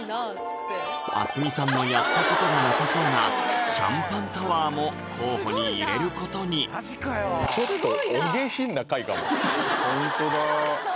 明日海さんのやったことがなさそうなシャンパンタワーも候補に入れることにかもホントだ